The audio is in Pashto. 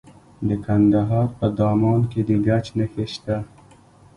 د کندهار په دامان کې د ګچ نښې شته.